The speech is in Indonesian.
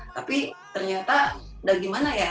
tapi ternyata udah gimana ya